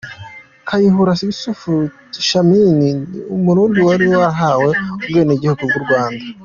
Kayihura Yusuf Tchami ni Umurundi wari warahawe ubwenegihugu bw’u Rwanda.